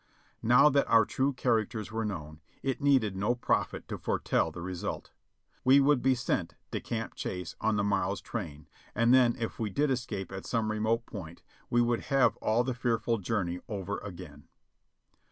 Now that our true characters were known, it needed no prophet to foretell the result. We would be sent to Camp Chase on the m.orrow's train, and then if we did escape at some remote point, we would have all the fearful journey over again.